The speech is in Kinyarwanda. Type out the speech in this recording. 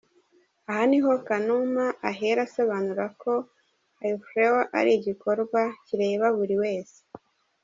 Aha niho Kanuma ahera asobanura ko Aflewo ari igikorwa kireba buri wese.